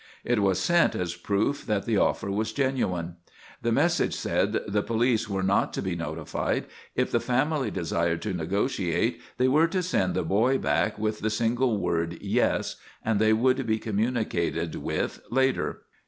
It was sent as proof that the offer was genuine. The message said the police were not to be notified. If the family desired to negotiate, they were to send the boy back with the single word, "Yes," and they would be communicated with later.